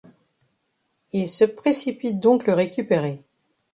Il se précipite donc le récupérer.